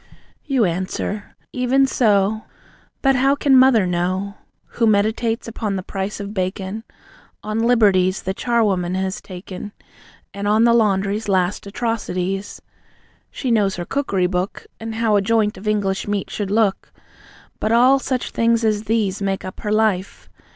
You answer: "Even so. But how can Mother know, Who meditates upon the price of bacon? On 'liberties' the charwoman has taken, And on the laundry's last atrocities? She knows her cookery book, And how a joint of English meat should look. But all such things as these Make up her life.